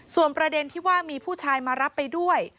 ส่วนประเด็นที่ว่ามีผู้ชายมารับไปด้วย